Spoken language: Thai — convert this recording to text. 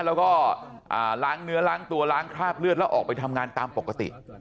แล้วก็ล้างเนื้อล้างตัวล้างคราบเลือดแล้วออกไปทำงานตามปกติ